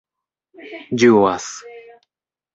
ĝuas